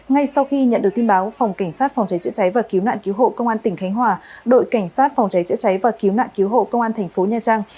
ngay sau khi nhận được tin báo phòng cảnh sát phòng cháy chữa cháy và cứu nạn cứu hộ công an tỉnh khánh hòa đội cảnh sát phòng cháy chữa cháy và cứu nạn cứu hộ công an thành phố nha trang